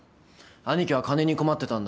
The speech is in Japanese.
兄貴は金に困ってたんだ。